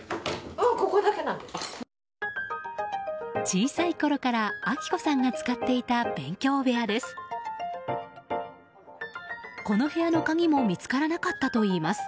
小さいころから明子さんが使っていた勉強部屋です。